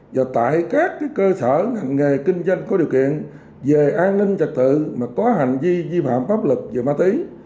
và tại các cơ sở ngành nghề kinh doanh có điều kiện về an ninh trật tự mà có hành vi vi phạm pháp luật về ma túy